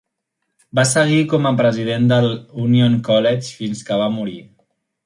Va seguir com a president del Union College fins que va morir.